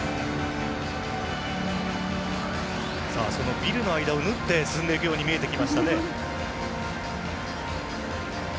ビルの間を縫って進んでいくように見えてきました。